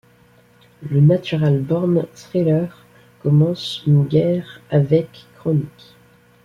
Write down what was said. Le Natural Born Thrillers commence une guerre avec KroniK.